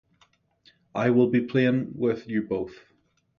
I will be plain with you both.